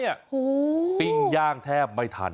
ปิ้งย่างแทบไม่ทัน